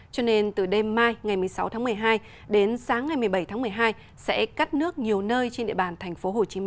cho nên từ đêm mai ngày một mươi sáu tháng một mươi hai đến sáng ngày một mươi bảy tháng một mươi hai sẽ cắt nước nhiều nơi trên địa bàn tp hcm